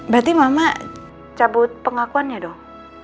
berarti mama cabut pengakuannya dong